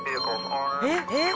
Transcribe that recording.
えっ？えっ？